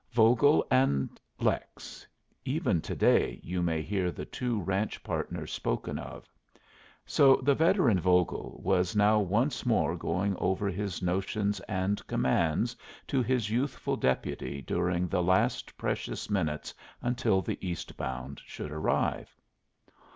Vogel and Lex even to day you may hear the two ranch partners spoken of. So the veteran Vogel was now once more going over his notions and commands to his youthful deputy during the last precious minutes until the east bound should arrive.